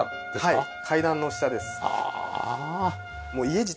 はい。